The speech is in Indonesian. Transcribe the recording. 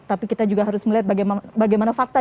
tapi kita juga harus melihat bagaimana fakta